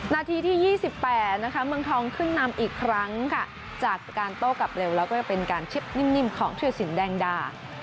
นาทีที่๒๘นะคะเมืองทองขึ้นนำอีกครั้งค่ะจากการโต้กลับเร็วแล้วก็จะเป็นการชิบนิ่มของธิรสินแดงดา